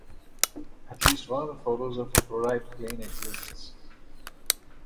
At least one photo of a prototype plane exists.